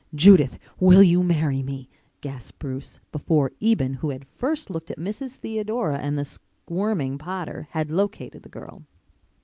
"Judith, will you marry me?" gasped Bruce, before Eben, who had first looked at Mrs. Theodora and the squirming Potter, had located the girl.